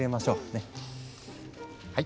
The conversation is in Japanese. はい。